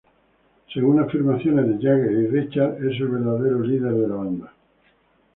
Según afirmaciones de Jagger y Richards, es el verdadero líder de la banda.